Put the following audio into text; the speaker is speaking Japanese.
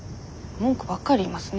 文句ばっかり言いますね。